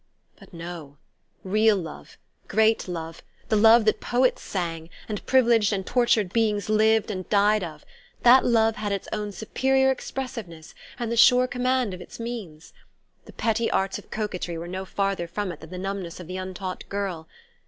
But, no! Real love, great love, the love that poets sang, and privileged and tortured beings lived and died of, that love had its own superior expressiveness, and the sure command of its means. The petty arts of coquetry were no farther from it than the numbness of the untaught girl.